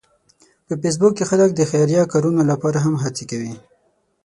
په فېسبوک کې خلک د خیریه کارونو لپاره هم هڅې کوي